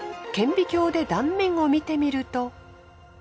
顕微鏡で断面を見てみると。